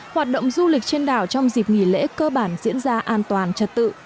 hoạt động du lịch trên đảo trong dịp nghỉ lễ cơ bản diễn ra an toàn trật tự